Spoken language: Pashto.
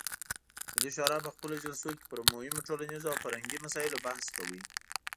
ملي شورا په خپلو جلسو کې پر مهمو ټولنیزو او فرهنګي مسایلو بحث کاوه.